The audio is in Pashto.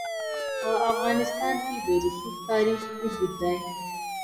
په افغانستان کې د رسوب تاریخ اوږد دی.